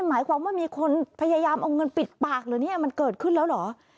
หมายความว่ามีคนพยายามเอาเงินปิดปากเหรอเนี่ยมันเกิดขึ้นแล้วเหรอ